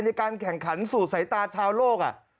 ในการแข่งขันสู่สายตาชาวโลก